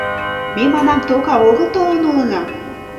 — Ме, манам, тока огыл толын улына...